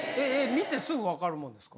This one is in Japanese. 見てすぐ分かるもんですか？